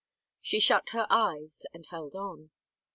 She shut her eyes and held on.